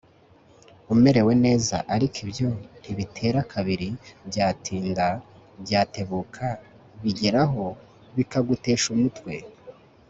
umerewe neza ariko ibyo ntibitera kabiri Byatinda byatebuka bigeraho bikagutesha umutwe